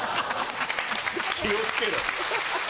気をつけろ。